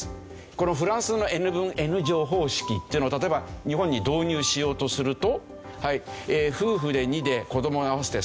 このフランスのＮ分Ｎ乗方式っていうのを例えば日本に導入しようとすると夫婦で２で子ども合わせて３ですね。